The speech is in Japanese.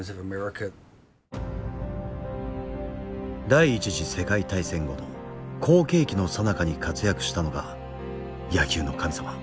第一次世界大戦後の好景気のさなかに活躍したのが“野球の神様”